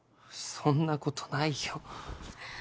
そんなことないよ。